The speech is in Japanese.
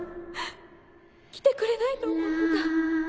来てくれないと思ってた。